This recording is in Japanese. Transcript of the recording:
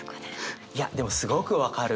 いやでもすごく分かる。